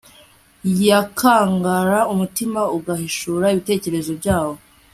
yakangara umutima ugahishura ibitekerezo byawo